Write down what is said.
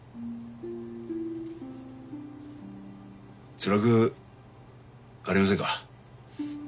つらくありませんか？